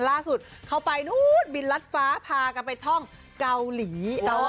ล่าสุดเขาไปนู้นบินรัดฟ้าพากันไปท่องเกาหลี